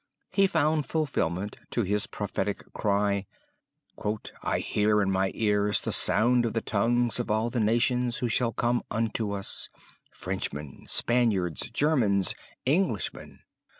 He found fulfilment to his prophetic cry: "I hear in my ears the sound of the tongues of all the nations who shall come unto us; Frenchmen, Spaniards, Germans, Englishmen.